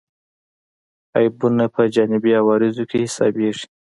عیبونه په جانبي عوارضو کې حسابېږي.